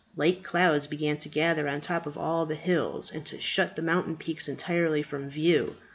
Light clouds began to gather on the top of all the hills and to shut the mountain peaks entirely from view.